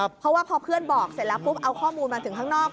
เพราะว่าพอเพื่อนบอกเสร็จแล้วปุ๊บเอาข้อมูลมาถึงข้างนอก